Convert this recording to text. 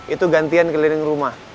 itu gantian keliling rumah